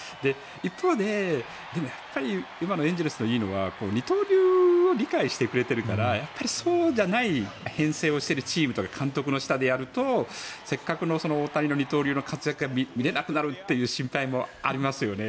一方で、でもやっぱり今のエンゼルスがいいのは二刀流を理解してくれているからそうじゃない編成をしているチームとか監督の下でやるとせっかくの大谷の二刀流の活躍が見れなくなるという心配もありますよね。